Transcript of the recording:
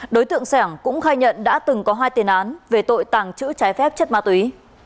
đối tượng sẻng cũng khai nhận đã từng có hai tiền án về tội tàng trữ trái phép chất ma túy